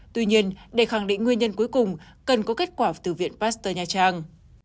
tuy nhiên để khẳng định nguyên nhân cuối cùng cần có kết quả từ viện pasteur nha trang